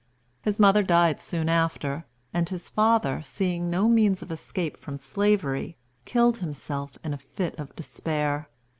His mother died soon after, and his father, seeing no means of escape from slavery, killed himself in a fit of despair.